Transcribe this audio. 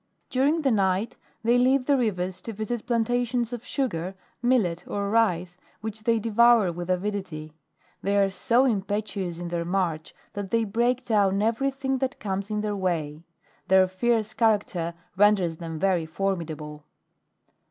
During the night, they leave the rivers to visit plantations of sugar, millet, or rice, which they devour with avidity : they are so impetuous in their march, that they break down every thing that comes in their way. Their fierce character renders them very formidable.